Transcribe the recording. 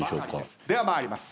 では参ります。